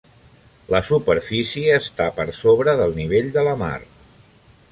La superfície està per sobre del nivell de la mar.